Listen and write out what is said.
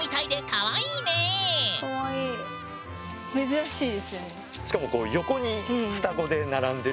かわいい。